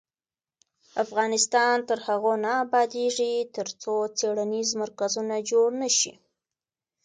افغانستان تر هغو نه ابادیږي، ترڅو څیړنیز مرکزونه جوړ نشي.